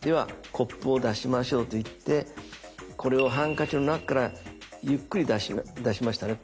ではコップを出しましょう」と言ってこれをハンカチの中からゆっくり出しましたね。